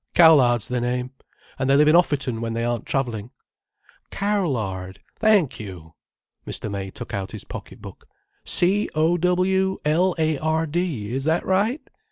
"Cowlard's their name. An' they live in Offerton when they aren't travelling." "Cowlard—thank you." Mr. May took out his pocket book. "C o w l a r d—is that right?